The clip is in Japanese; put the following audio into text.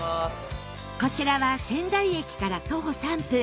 こちらは仙台駅から徒歩３分